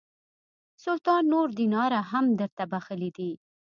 سلطان نور دیناره هم درته بخښلي دي.